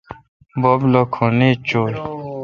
بب لو کھن ایچ چویہ۔